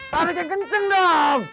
sari kekenceng dong